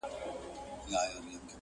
د مالدارو په کورونو په قصرو کي!!